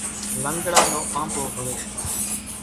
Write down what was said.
لنڳڙا نو آنٻو هوئيَ سي۔